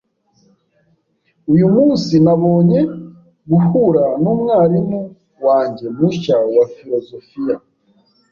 Uyu munsi nabonye guhura numwarimu wanjye mushya wa filozofiya.